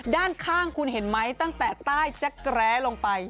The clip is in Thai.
ด้านข้างคุณเห็นไหมตั้งแต่ใต้แจ็คแร้ลงไป